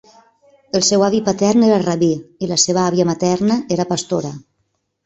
El seu avi patern era rabí i la seva àvia materna era pastora.